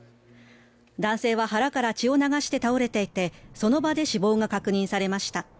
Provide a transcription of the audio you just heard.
男性は腹から血を流して倒れていてその場で死亡が確認されました。